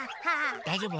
だいじょうぶ？